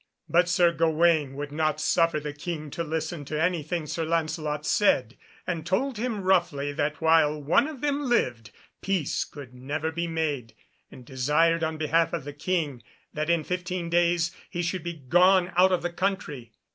But Sir Gawaine would not suffer the King to listen to anything Sir Lancelot said, and told him roughly that while one of them lived peace could never be made, and desired on behalf of the King that in fifteen days he should be gone out of the country.